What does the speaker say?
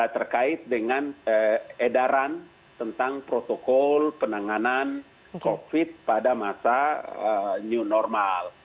terkait dengan edaran tentang protokol penanganan covid pada masa new normal